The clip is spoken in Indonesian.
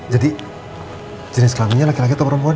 jadi jenis kelaminnya laki laki atau perempuan